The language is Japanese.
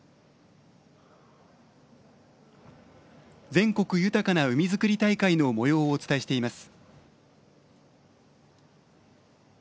「全国豊かな海づくり大会」のもようをお伝えしています。